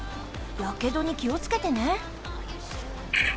やけどに気をつけてね。